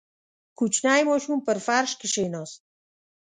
• کوچنی ماشوم پر فرش کښېناست.